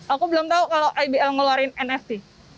aku belum tahu kalau ibl ngeluarin nft